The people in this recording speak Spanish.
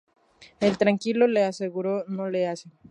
Él tranquilo, le aseguró: "No le hace.